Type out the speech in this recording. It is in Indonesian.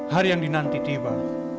hari yang dinanti tiba